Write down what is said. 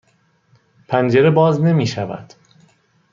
پنجره باز نمی شود.